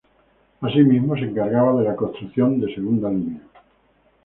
Asimismo se encargaba de la construcción de segunda línea.